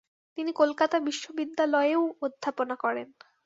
তিনি কলকাতা বিশ্ববিদ্যালয়েও অধ্যাপনা করেন।